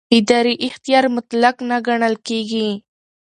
اداري اختیار مطلق نه ګڼل کېږي.